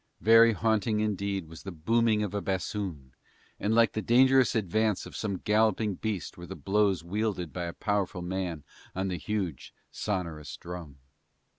Very haunting indeed was the booming of a bassoon, and like the dangerous advance of some galloping beast were the blows wielded by a powerful man on the huge, sonourous drum.